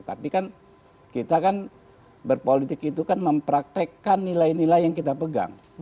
tapi kan kita kan berpolitik itu kan mempraktekkan nilai nilai yang kita pegang